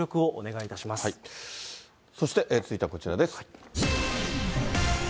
そして、続いてはこちらです。